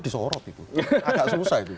disorot agak susah itu